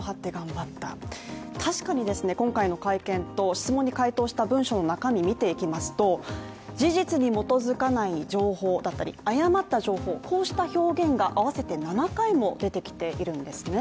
確かに、今回の会見と質問に回答した文章の中身見ていきますと事実に基づかない情報だったり、誤った情報、こうした表現が合わせて７回も出てきているんですね。